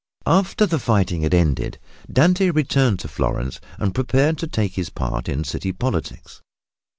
After the fighting had ended, Dante returned to Florence and prepared to take his part in city politics.